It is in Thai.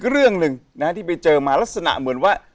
เรื่องหนึ่งนะฮะที่ไปเจอมาลักษณะเหมือนว่า